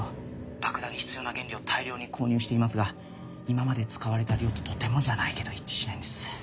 爆弾に必要な原料を大量に購入していますが今まで使われた量ととてもじゃないけど一致しないんです。